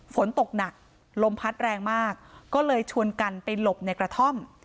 ฝนตกหนักลมพัดแรงมากก็เลยชวนกันไปหลบในกระท่อม